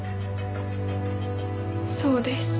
そうです。